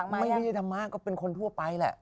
ไม่ได้ธรรมะก็เป็นคนทั่วไปแหละ